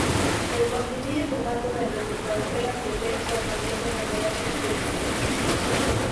El contenido y formato del resultado era propenso a cambiar de maneras imprevisibles.